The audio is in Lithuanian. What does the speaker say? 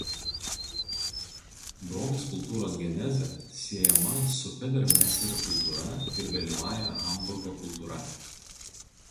Bromės kultūros genezė siejama su Federmeserio kultūra ir vėlyvąja Hamburgo kultūra.